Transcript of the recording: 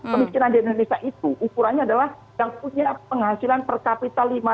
pemiskinan di indonesia itu ukurannya adalah yang punya penghasilan per kapital rp lima ratus per bulan